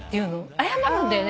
謝るんだよね。